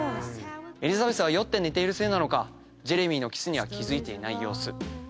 エリザベスは酔って寝ているせいかジェレミーのキスには気付いていない様子。